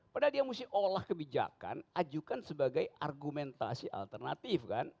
padahal dia harus olah kebijakan ajukan sebagai argumentasi alternatif